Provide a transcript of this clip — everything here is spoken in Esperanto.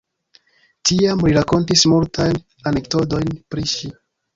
Tiam li rakontis multajn anekdotojn pri ŝi.